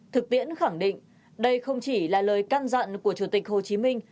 thực tiễn khẳng định đây không chỉ là lời can dặn của chủ tịch hồ chí minh